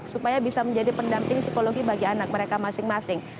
supaya bisa menjadi pendamping psikologi bagi anak mereka masing masing